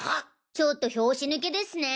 ちょっと拍子抜けですね。